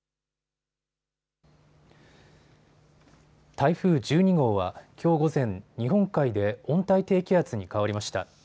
台風１２号はきょう午前、日本海で温帯低気圧に変わりました。